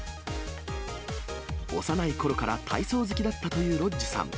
幼いころから体操好きだったというロッジさん。